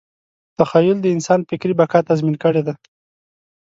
تخیل د انسان فکري بقا تضمین کړې ده.